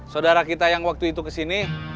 saudara kita yang waktu itu kesini